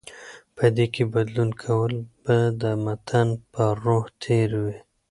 په دې کې بدلون کول به د متن پر روح تېری وي